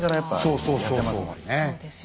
そうそうそうそう。